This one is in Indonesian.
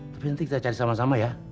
tapi nanti kita cari sama sama ya